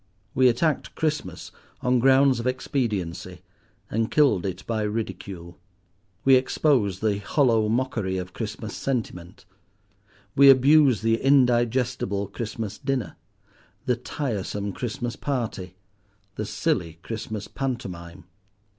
We attacked Christmas on grounds of expediency, and killed it by ridicule. We exposed the hollow mockery of Christmas sentiment; we abused the indigestible Christmas dinner, the tiresome Christmas party, the silly Christmas pantomime.